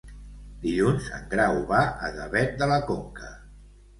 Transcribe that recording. Dilluns en Grau va a Gavet de la Conca.